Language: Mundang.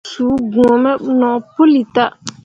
Suu gbǝ̃ǝ̃ me no puli tah.